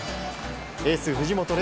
エース藤本怜